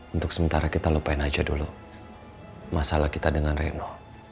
untuk sementara kita lupain aja dulu masalah kita dengan reno